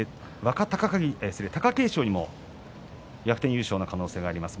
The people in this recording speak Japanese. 貴景勝にも逆転優勝の可能性があります。